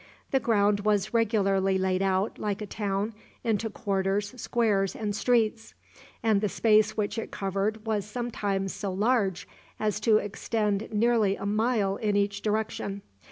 The ground was regularly laid out, like a town, into quarters, squares, and streets, and the space which it covered was sometimes so large as to extend nearly a mile in each direction.